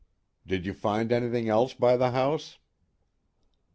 "Did you find anything else by the house?"